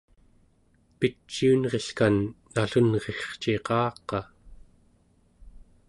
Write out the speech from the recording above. piciunrilkan nallunrirciqaqa